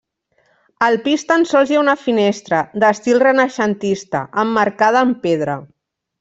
Al pis tan sols hi ha una finestra, d'estil renaixentista, emmarcada amb pedra.